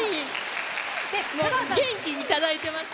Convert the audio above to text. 元気いただいてます。